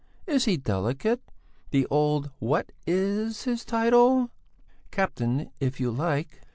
Is he delicate, the old what is his title?" "Captain, if you like."